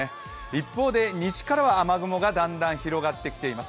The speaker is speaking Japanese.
一方で西からは雨雲がだんだん広がってきています。